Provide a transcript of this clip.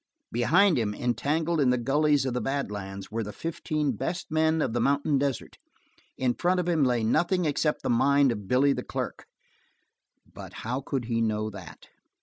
Behind him, entangled in the gullies of the bad lands, were the fifteen best men of the mountain desert. In front of him lay nothing except the mind of Billy the clerk. But how could he know that?